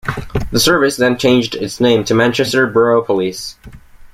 The service then changed its name to Manchester Borough Police.